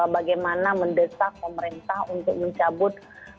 bagaimana mendesak pemerintah untuk mencabut